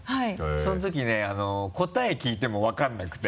その時ね答え聞いてもわからなくて。